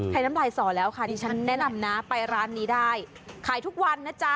น้ำลายส่อแล้วค่ะดิฉันแนะนำนะไปร้านนี้ได้ขายทุกวันนะจ๊ะ